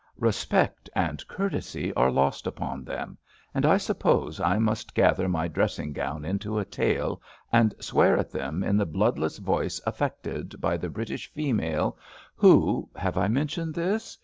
Bespect and courtesy are lost upon them, and I suppose I must gather my dressing gown into a tail and swear at them in the bloodless voice affected by the British female who — ^have I mentioned this?